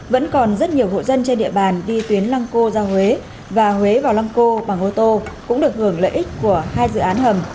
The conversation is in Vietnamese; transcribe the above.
vẫn còn rất nhiều hộ dân trên địa bàn đi tuyến lăng cô ra huế và huế vào lăng cô bằng ô tô cũng được hưởng lợi ích của hai dự án hầm